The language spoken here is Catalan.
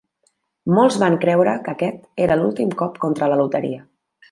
Molts van creure que aquest era l'últim cop contra la loteria.